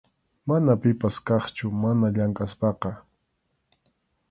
Mana pipas kaqchu mana llamk’aspaqa.